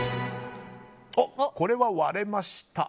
これは割れました。